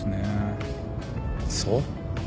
そう？